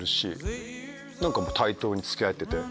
対等に付き合えてて。